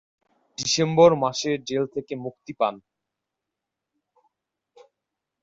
December মাসে jail থেকে মুক্তি পান।